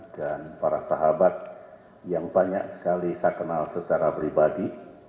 dan para sahabat yang banyak sekali saya kenal secara pribadi